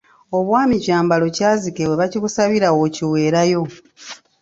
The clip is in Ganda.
Obwami kyambalo kyazike we bakikusabira w’okiweerayo.